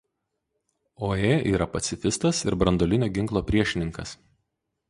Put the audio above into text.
Oe yra pacifistas ir branduolinio ginklo priešininkas.